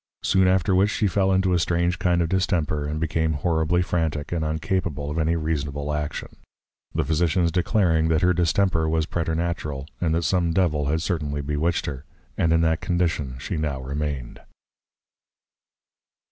_ Soon after which, she fell into a strange kind of distemper, and became horribly frantick, and uncapable of any reasonable Action; the Physicians declaring, that her Distemper was preternatural, and that some Devil had certainly bewitched her; and in that condition she now remained.